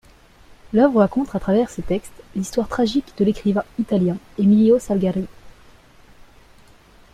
L'œuvre raconte à travers ses textes, l'histoire tragique de l'écrivain italien Emilio Salgari.